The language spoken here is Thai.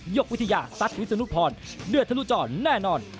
กวิทยาซัดวิศนุพรเดือดทะลุจรแน่นอน